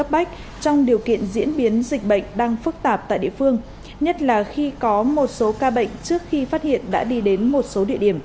bệnh đang phức tạp tại địa phương nhất là khi có một số ca bệnh trước khi phát hiện đã đi đến một số địa điểm